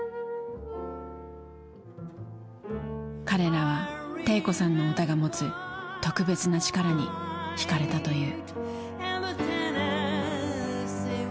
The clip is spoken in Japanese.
彼らは悌子さんの歌が持つ特別な力に引かれたという。